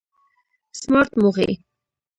سمارټ موخې